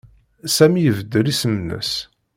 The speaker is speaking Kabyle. Sami ibeddel isem-nnes.